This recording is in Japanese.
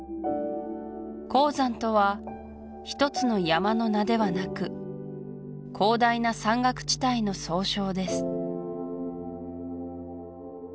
黄山とは一つの山の名ではなく広大な山岳地帯の総称です